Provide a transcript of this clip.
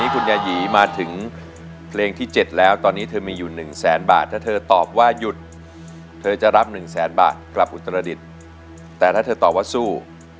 คุณยายีมาถึงเพลงที่๗แล้วตอนนี้เธอมีอยู่๑แสนบาทถ้าเธอตอบว่าหยุดเธอจะรับ๑แสนบาทกลับอุตรดิษฐ์แต่ถ้าเธอตอบว่าสู้